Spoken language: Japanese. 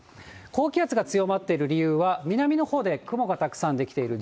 高気圧が強まっている理由は、南のほうで雲がたくさん出来ている。